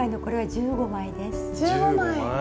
１５枚！